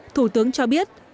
thủ tướng cho biết